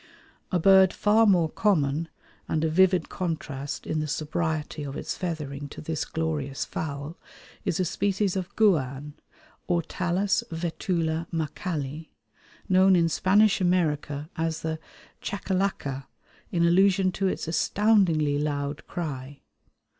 A bird far more common, and a vivid contrast in the sobriety of its feathering to this glorious fowl, is a species of guan (Ortalis vetula maccalli), known in Spanish America as the chachalaca in allusion to its astoundingly loud cry.